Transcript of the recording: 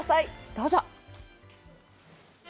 どうぞ。